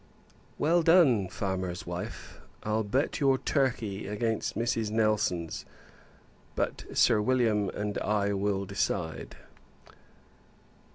Well done, farmer's wife! I'll bet your turkey against Mrs. Nelson's; but, Sir William and I will decide.